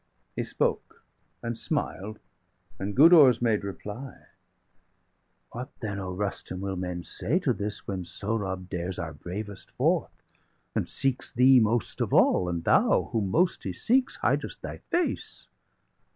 He spoke, and smiled; and Gudurz made reply: "What then, O Rustum, will men say to this, When Sohrab dares our bravest forth, and seeks Thee most of all, and thou, whom most he seeks, 245 Hidest thy face?